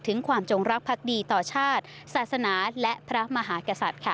ถึงความจงรักพักดีต่อชาติศาสนาและพระมหากษัตริย์ค่ะ